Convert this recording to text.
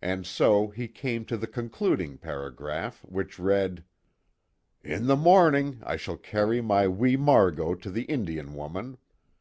And so he came to the concluding paragraph which read: "In the morning I shall carry my wee Margot to the Indian woman.